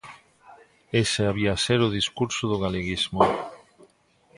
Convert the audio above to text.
Ese había ser o discurso do galeguismo.